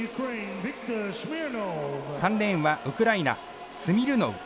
３レーンは、ウクライナスミルノウ。